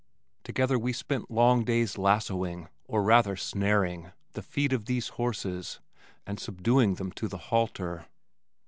Together we spent long days lassoing or rather snaring the feet of these horses and subduing them to the halter.